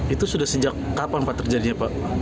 itu sudah sejak kapan pak terjadinya pak